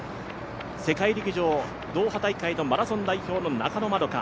世界陸上ドーハ大会マラソン代表の中野円花。